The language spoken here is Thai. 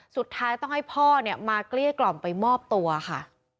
สุดท้ายต้องให้พ่อเนี่ยมาเกลี้ยกล่อมไปมอบตัวค่ะ